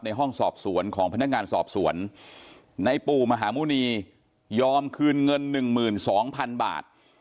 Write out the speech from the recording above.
ห้องสอบสวนของพนักงานสอบสวนในปู่มหาหมุณียอมคืนเงิน๑๒๐๐๐บาท